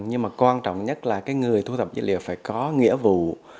nhưng mà quan trọng nhất là cái người thu thập dữ liệu phải có nghĩa vụ